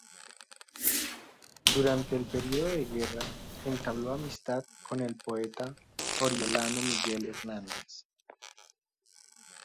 Durante el período de guerra, entabló amistad con el poeta oriolano Miguel Hernández.